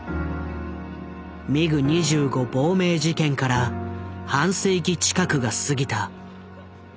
ミグ２５亡命事件から半世紀近くが過ぎた。